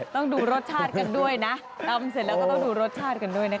ต้องดูรสชาติกันด้วยนะ